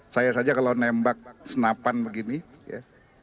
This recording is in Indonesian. saya saja kalau nembak senapan begini ya